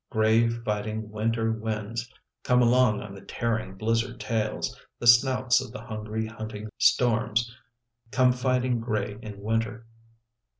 Gray fighting winter winds, come along on the tear ing blizzard tails, the snouts of the hungry hunting storms, come fighting gray in winter.